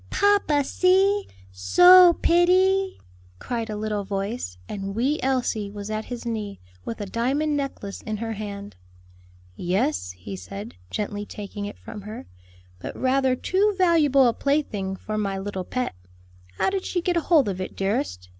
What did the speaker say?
"Papa, see! so pitty!" cried a little voice; and "wee Elsie" was at his knee, with a diamond necklace in her hand. "Yes," he said, gently taking it from her, "but rather too valuable a plaything for my little pet. How did she get hold of it, dearest?"